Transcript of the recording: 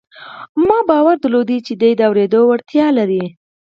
ما باور درلود چې دی د اورېدو وړتیا لري